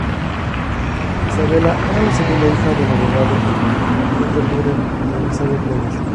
Isabella era la segunda hija del abogado Peter Burrell y de Elizabeth Lewis.